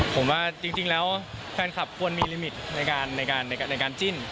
ผมว่าจริงแล้วแฟนคลับควรมีลิมิตในการจิ้น